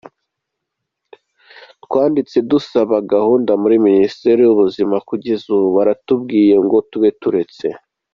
Twanditse dusaba gahunda muri Minisiteri y’Ubuzima, kugeza ubu baratubwiye ngo tube turetse.